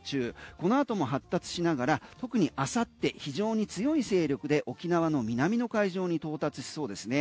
このあとも発達しながら特に明後日非常に強い勢力で沖縄の南の海上に到達しそうですね。